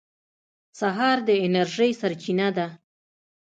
سهار د انرژۍ سرچینه ده.